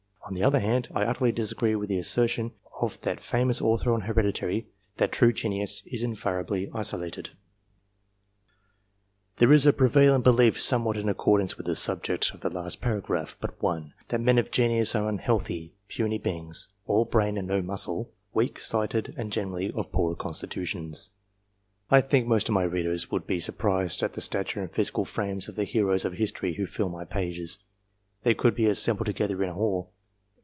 (On the other hand, I utterly dis agree with the assertion of that famous author on heredity, that true genius is invariably isolated^ DCL/V^J * There is a prevalent belief somewhat in accordance with the subject of the last paragraph but one, that men of genius are unhealthy, puny beings all brain and no muscle weak sighted, and generally of poor constitutions. I think most of my readers would be surprised at the stature and physical frames of the heroes of history, who fill my pages, if they could be assembled together in a hall.